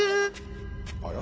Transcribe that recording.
あら？